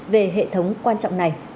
về hệ thống quan trọng này